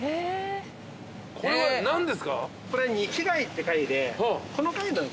これは何ですか？